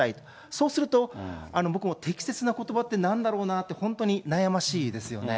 そうすると、僕も適切なことばってなんだろうなって、本当に悩ましいですよね。